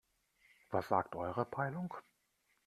Was sagt eure Peilung?